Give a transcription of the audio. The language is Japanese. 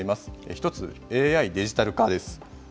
１つ、ＡＩ・デジタル化です。